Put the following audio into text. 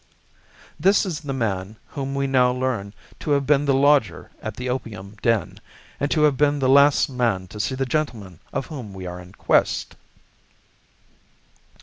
This is the man whom we now learn to have been the lodger at the opium den, and to have been the last man to see the gentleman of whom we are in quest."